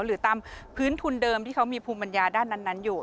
หรือตามพื้นทุนเดิมที่เขามีภูมิปัญญาด้านนั้นอยู่